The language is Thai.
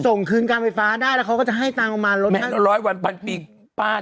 ส่งคืนการไฟฟ้าได้แล้วเขาก็จะให้เงินออกมาลด